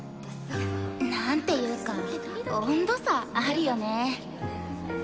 なんていうか温度差あるよね。